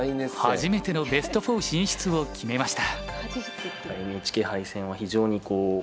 初めてのベスト４進出を決めました。